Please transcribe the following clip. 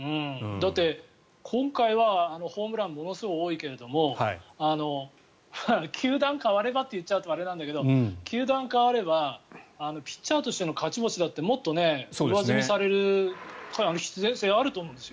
だって、今回はホームランがものすごい多いけれども球団が変わればと言っちゃえばあれなんだけど球団変わればピッチャーとしての勝ち星だってもっと上積みされる必然性あると思うんですよ。